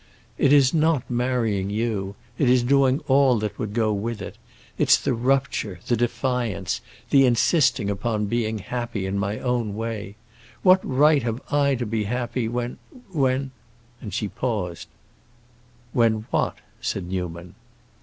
"It is not marrying you; it is doing all that would go with it. It's the rupture, the defiance, the insisting upon being happy in my own way. What right have I to be happy when—when"—And she paused. "When what?" said Newman.